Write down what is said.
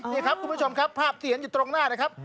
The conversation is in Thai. นี่ครับคุณผู้ชมครับภาพที่เห็นอยู่ตรงหน้านะครับ